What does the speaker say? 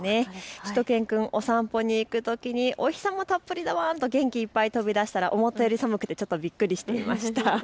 しゅと犬くん、お散歩に行くときにお日様たっぷりだワンと元気いっぱい飛び出したら思ったより寒くてちょっとびっくりしていました。